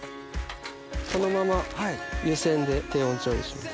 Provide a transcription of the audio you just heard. このまま湯煎で低温調理します。